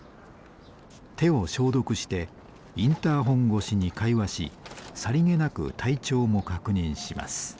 手を消毒してインターホン越しに会話しさりげなく体調も確認します。